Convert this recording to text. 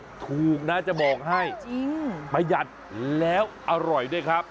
ถูกนะจะบอกให้จริงประหยัดแล้วอร่อยด้วยครับ